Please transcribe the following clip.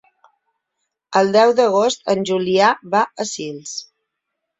El deu d'agost en Julià va a Sils.